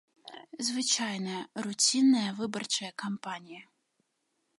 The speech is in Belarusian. Звычайная, руцінная выбарчая кампанія.